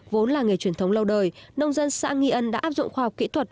vốn là nghề truyền thống lâu đời nông dân xã nghi ân đã áp dụng khoa học kỹ thuật